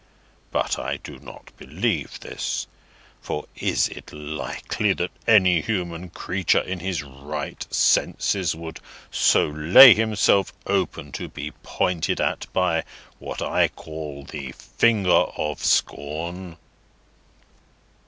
But I do not believe this. For is it likely that any human creature in his right senses would so lay himself open to be pointed at, by what I call the finger of scorn?"